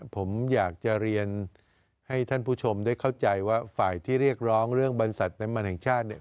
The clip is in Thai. ผมอยากจะเรียนให้ท่านผู้ชมได้เข้าใจว่าฝ่ายที่เรียกร้องเรื่องบรรษัทน้ำมันแห่งชาติเนี่ย